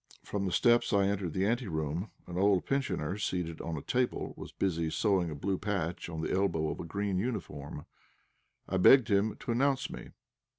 From the steps I entered the ante room. An old pensioner, seated on a table, was busy sewing a blue patch on the elbow of a green uniform. I begged him to announce me.